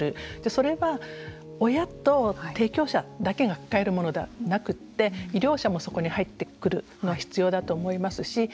それは、親と提供者だけが抱えるものではなくて医療者もそこに入ってくるのが必要だと思いますし